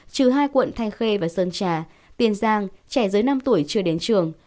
trừ hai quận thanh khê và sơn trà tiền giang trẻ dưới năm tuổi chưa đến trường